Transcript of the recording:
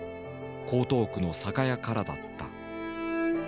江東区の酒屋からだった。